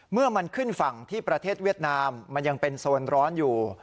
เมื่อมันขึ้นฝั่งที่ประเทศเวียดนามมันยังเป็นโซนร้อนอยู่